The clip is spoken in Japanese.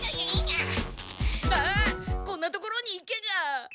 あっこんな所に池が！